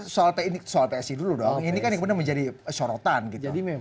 soal psi dulu dong ini kan yang kemudian menjadi sorotan gitu